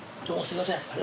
「どうもすいません